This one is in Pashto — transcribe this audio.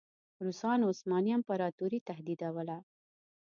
روسانو عثماني امپراطوري تهدیدوله.